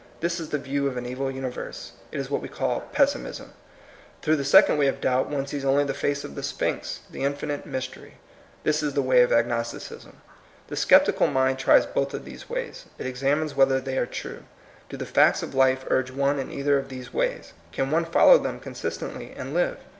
This is the view of an evil universe. It is what we call pessimism. Through the second way of doubt one sees only the face of the sphinx, the infinite mystery. This is the way of agnosticism. The sceptical mind tries both of these ways. It exam ines whether they are true. Do the facts of life urge one in either of these ways? Can one follow them consistently and live?